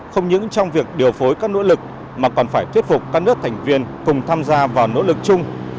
không những trong việc điều phối các nỗ lực mà còn phải thuyết phục các nước thành viên cùng tham gia vào nỗ lực chung